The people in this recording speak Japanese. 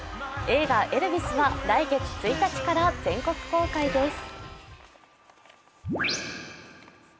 映画「エルヴィス」は来月１日から全国公開です。